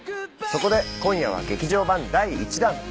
そこで今夜は劇場版第１弾。